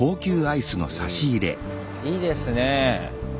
いいですねぇ。